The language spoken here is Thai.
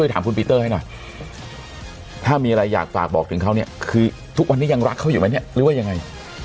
ถ้ามีอะไรอยากฝากบอกถึงเขาเนี่ยคือทุกวันนี้ยังรักเขาอยู่ไหมเนี่ยหรือว่ายังไง